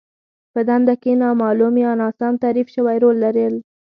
په دنده کې نامالوم يا ناسم تعريف شوی رول لرل.